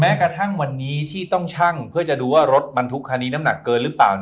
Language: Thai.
กระทั่งวันนี้ที่ต้องชั่งเพื่อจะดูว่ารถบรรทุกคันนี้น้ำหนักเกินหรือเปล่า